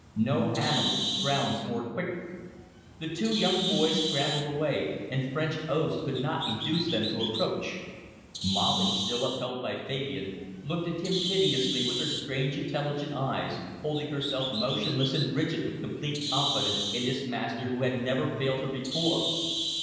No animal drowns more quickly. The two young boys scrambled away, and French oaths could not induce them to approach. Molly, still upheld by Fabian, looked at him piteously with her strange intelligent eyes, holding herself motionless and rigid with complete confidence in this master who had never failed her before.